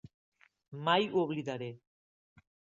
Mai ho oblidaré.